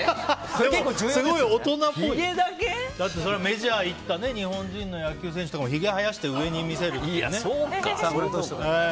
メジャー行った日本人の野球選手とかもひげ生やして上に見せるってね。